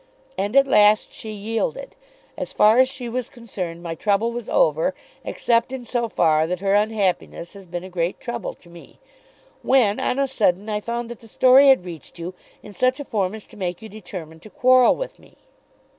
And at last she yielded. As far as she was concerned my trouble was over, except in so far that her unhappiness has been a great trouble to me, when, on a sudden, I found that the story had reached you in such a form as to make you determined to quarrel with me!